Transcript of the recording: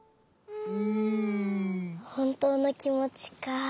ほんとうのきもちか。